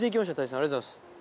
ありがとうございます。